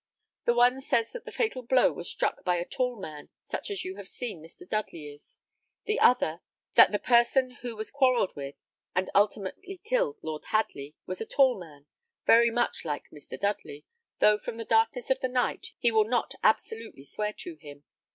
The one says that the fatal blow was struck by a tall man, such as you have seen Mr. Dudley is; the other, that the person who quarrelled with, and ultimately killed Lord Hadley, was a tall man, very much like Mr. Dudley, though, from the darkness of the night he will not absolutely swear to him.